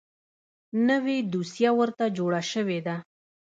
نوې دوسیه ورته جوړه شوې ده .